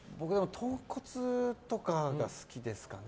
豚骨とかが好きですかね。